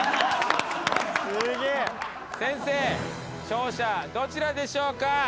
先生勝者どちらでしょうか？